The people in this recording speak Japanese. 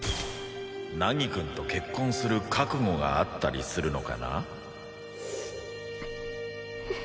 凪くんと結婚する覚悟があったりするのかな？